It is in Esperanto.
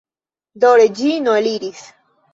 Do Reĝino eliris.